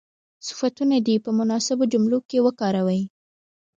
صفتونه دې په مناسبو جملو کې وکاروي.